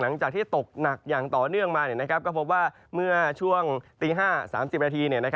หลังจากที่ตกหนักอย่างต่อเนื่องมาก็พบว่าเมื่อช่วงตี๕๓๐นาที